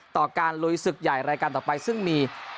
ต่อการลุยศึกใหญ่รายการต่อไปซึ่งมี